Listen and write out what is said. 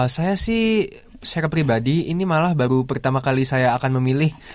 saya sih secara pribadi ini malah baru pertama kali saya akan memilih